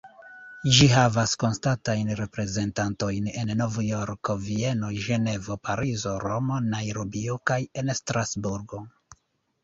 Ĝi havas konstantajn reprezentantojn en Novjorko, Vieno, Ĝenevo, Parizo, Romo, Najrobio kaj en Strasburgo.